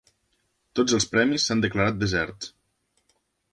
Tots els premis s'han declarat deserts.